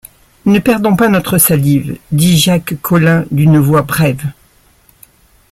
Ne perdons pas notre salive, dit Jacques Collin d’une voix brève.